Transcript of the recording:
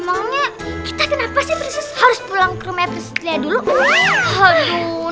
emangnya kita kenapa sih harus pulang ke rumah dulu